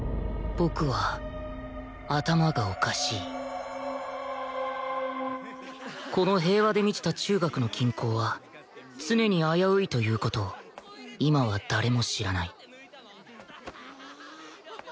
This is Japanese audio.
僕は頭がおかしいこの平和で満ちた中学の均衡は常に危ういという事を今は誰も知らない